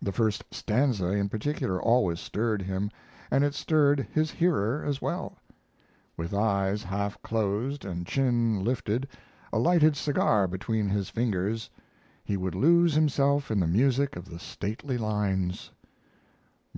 The first stanza in particular always stirred him, and it stirred his hearer as well. With eyes half closed and chin lifted, a lighted cigar between his fingers, he would lose himself in the music of the stately lines.